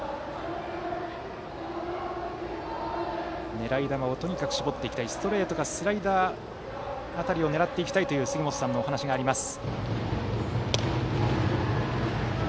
狙い球をとにかく絞っていきたいストレートかスライダー辺りを狙っていきたいという杉本さんのお話があります。